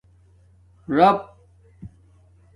رپ